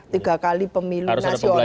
tiga kali pemilu nasional